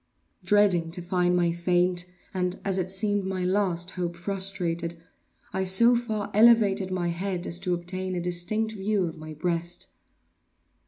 Dreading to find my faint, and, as it seemed, my last hope frustrated, I so far elevated my head as to obtain a distinct view of my breast.